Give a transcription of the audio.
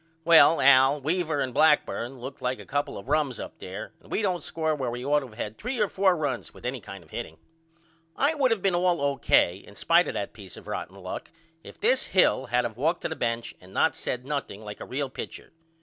Well Al Weaver and Blackburne looked like a couple of rums up there and we don't score where we ought to of had 3 or 4 runs with any kind of hitting. I would of been all O.K. in spite of that peace of rotten luck if this Hill had of walked to the bench and not said nothing like a real pitcher.